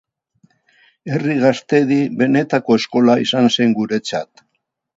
Herri Gaztedi benetako eskola izan zen guretzat.